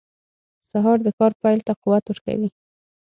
سهار د کار پیل ته قوت ورکوي.